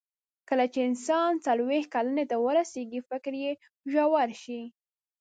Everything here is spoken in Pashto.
کله چې انسان څلوېښت کلنۍ ته ورسیږي، فکر یې ژور شي.